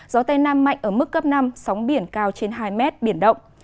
gió tây nam mạnh ở mức cấp năm sóng biển cao trên hai mét biển động